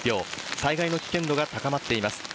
災害の危険度が高まっています。